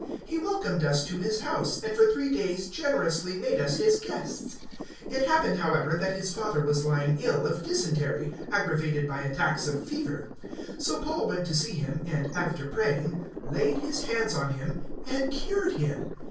He welcomed us to his house, and for three days generously made us his guests. 028:008 It happened, however, that his father was lying ill of dysentery aggravated by attacks of fever; so Paul went to see him, and, after praying, laid his hands on him and cured him.